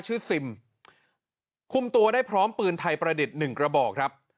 ซิมคุมตัวได้พร้อมปืนไทยประดิษฐ์หนึ่งกระบอกครับ